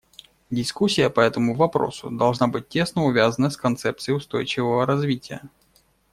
Дискуссия по этому вопросу должна быть тесно увязана с концепцией устойчивого развития.